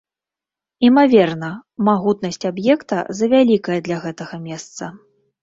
Імаверна, магутнасць аб'екта завялікая для гэтага месца.